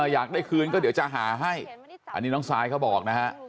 อยากได้คืนก็เดี๋ยวจะหาให้อันนี้น้องซายเขาบอกนะฮะ